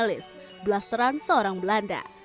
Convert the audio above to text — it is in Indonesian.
analis belas terang seorang belanda